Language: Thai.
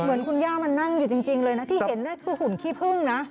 เหมือนคุณย่ามันนั่งอยู่จริงเลยนะที่เห็นคือหุ่นขี้พึ่งนะ